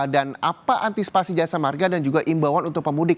dan apa antisipasi jasa marga dan juga imbauan untuk pemudik